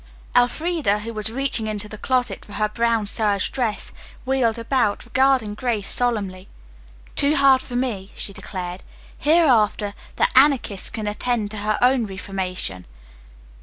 Elfreda, who was reaching into the closet for her brown serge dress, wheeled about, regarding Grace solemnly. "Too hard for me," she declared. "Hereafter, the Anarchist can attend to her own reformation.